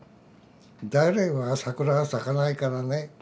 大連は桜は咲かないからね。